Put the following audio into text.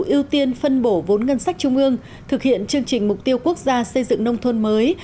ưu tiên phân bổ vốn ngân sách trung ương thực hiện chương trình mục tiêu quốc gia xây dựng nông thôn mới